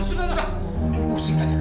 pusing aja kamu